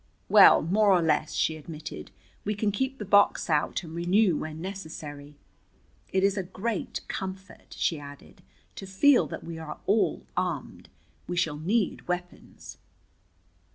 "Well, more or less," she admitted. "We can keep the box out and renew when necessary. It is a great comfort," she added, "to feel that we are all armed. We shall need weapons."